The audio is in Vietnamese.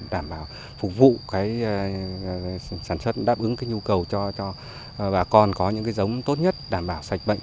đảm bảo phục vụ sản xuất đáp ứng cái nhu cầu cho bà con có những cái giống tốt nhất đảm bảo sạch bệnh